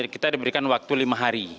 kita diberikan waktu lima hari